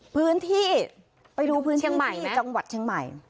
พื้นที่ไปดูพื้นที่ที่จังหวัดเชียงใหม่